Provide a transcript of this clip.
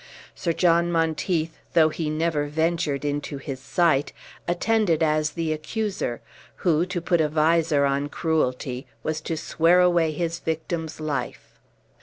Sir John Monteith, though he never ventured into his sight, attended as the accuser, who, to put a visor on cruelty, was to swear away his victim's life.